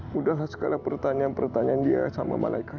mudahlah segala pertanyaan pertanyaan dia sama malaikat